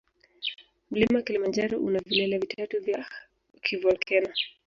Mlima kilimanjaro una vilele vitatu vya kivolkeno